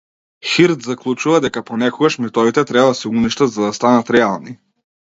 Хирст заклучува дека понекогаш митовите треба да се уништат за да станат реални.